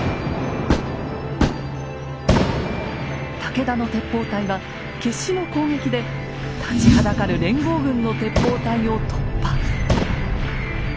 武田の鉄砲隊は決死の攻撃で立ちはだかる連合軍の鉄砲隊を突破。